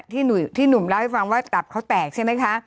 ที่หนุ่มเล่าให้ฟังว่าตับเขาแตกใช่ไหมคะ